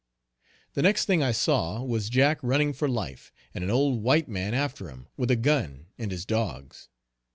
The next thing I saw, was Jack running for life, and an old white man after him, with a gun, and his dogs.